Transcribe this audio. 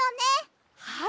はい。